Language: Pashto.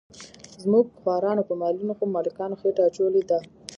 زموږ خوارانو په مالونو خو ملکانو خېټه اچولې ده.